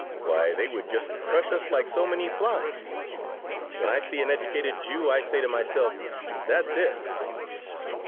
Why, they would just crush us like so many flies. When I see an educated Jew I say to myself, 'That's it!'"